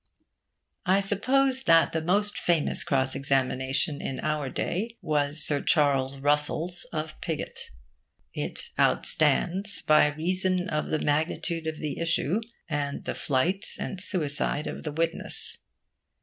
I suppose that the most famous cross examination in our day was Sir Charles Russell's of Pigott. It outstands by reason of the magnitude of the issue, and the flight and suicide of the witness.